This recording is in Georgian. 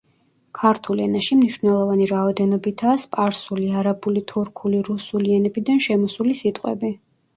ქართულ ენაში მნიშვნელოვანი რაოდენობითაა სპარსული, არაბული, თურქული, რუსული ენებიდან შესული სიტყვები.